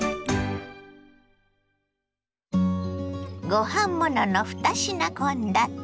ご飯ものの２品献立。